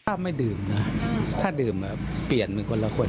ถ้าไม่ดื่มนะอ่าถ้าดื่มอ่ะเปลี่ยนเป็นคนแล้วคน